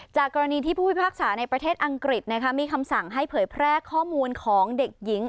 จากกรณีที่ผู้พิพากษาในประเทศอังกฤษมีคำสั่งให้เผยแพร่ข้อมูลของเด็กหญิง